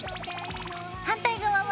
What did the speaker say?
反対側は？